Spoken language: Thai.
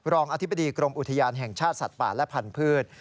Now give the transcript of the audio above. รองอธิบดีกรมอุทยานแห่งชาติสัตว์ป่าและพันธุ์